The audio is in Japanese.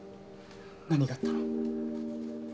何があったの！？